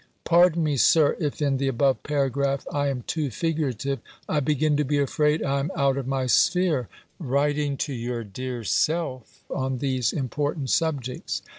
Pardon me, Sir, if in the above paragraph I am too figurative. I begin to be afraid I am out of my sphere, writing to your dear self, on these important subjects.